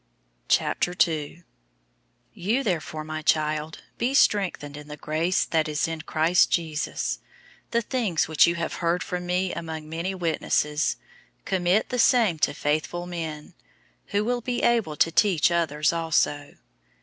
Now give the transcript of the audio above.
002:001 You therefore, my child, be strengthened in the grace that is in Christ Jesus. 002:002 The things which you have heard from me among many witnesses, commit the same to faithful men, who will be able to teach others also.